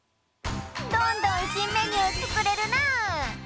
どんどんしんメニューつくれるなあ！